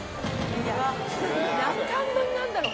いや何貫分なんだろう？